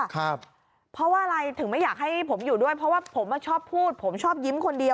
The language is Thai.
ครับเออแล้วบอกแบบเนี้ย